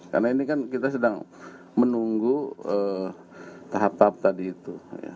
karena ini kan kita sedang menunggu tahap tahap tadi itu